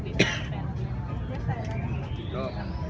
ไม่ต้องถาม